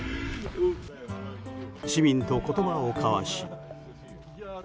市民を言葉を交わし。